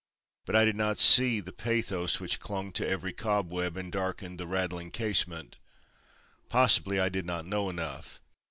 But I did not see the pathos which clung to every cobweb and darkened the rattling casement. Possibly I did not know enough.